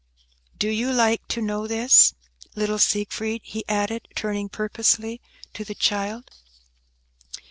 Do you like to know this, little Siegfried?" he added, turning purposely to the child.